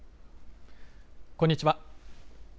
こんにちは。